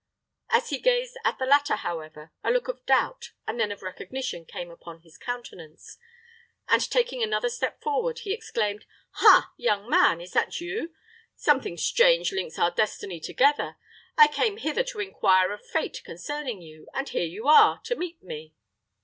As he gazed at the latter, however, a look of doubt, and then of recognition, came upon his countenance, and taking another step forward, he exclaimed, "Ha! young man; is that you? Something strange links our destiny together. I came hither to inquire of Fate concerning you; and here you are, to meet me."